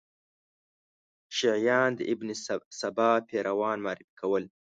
شیعیان د ابن سبا پیروان معرفي کول.